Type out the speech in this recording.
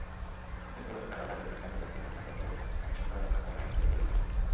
কিন্তু গতকাল অবাধে ভোটকেন্দ্র দখলের ঘটনা ঘটলেও আইনশৃঙ্খলা রক্ষাকারী বাহিনী ছিল নির্বিকার।